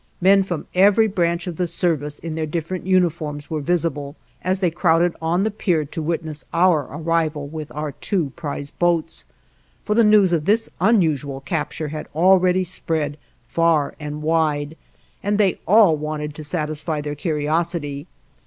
Men from every branch of the service, in their different uniforms, were visible, as they crowded on the pier to witness our arrival with our two prize boats, for the news of this unusual capture had already spread far and wide, and they all wanted to satisfy their curiosity.